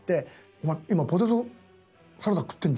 「お前今ポテトサラダ食ってんじゃん」